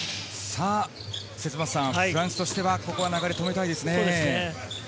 フランスとしてはここは流れ止めたいですね。